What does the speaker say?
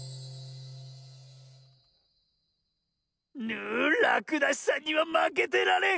ぬらくだしさんにはまけてられん！